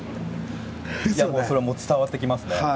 それは伝わってきますね。